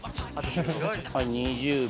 ２０秒。